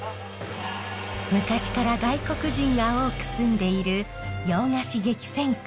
昔から外国人が多く住んでいる洋菓子激戦区